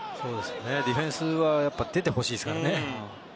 ディフェンスはやっぱり出てほしいですからね。